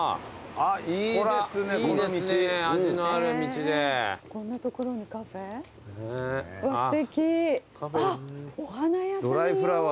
あっお花屋さんよ。